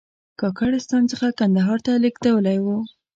کاکړستان څخه کندهار ته لېږدېدلی و.